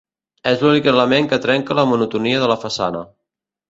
És l'únic element que trenca la monotonia de la façana.